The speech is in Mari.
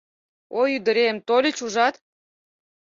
— Ой, ӱдырем, тольыч, ужат!